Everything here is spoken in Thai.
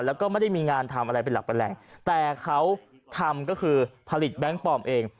แล้วก็ไม่ได้มีงานทำอะไรเป็นหลักเป็นแหล่งแต่เขาทำก็คือผลิตแบงค์ปลอมเอง